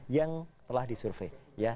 yang telah disurvey